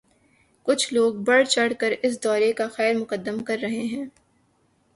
کچھ لوگ بڑھ چڑھ کر اس دورے کا خیر مقدم کر رہے ہیں۔